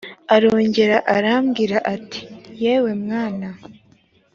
arongera arambwira ati yewe mwana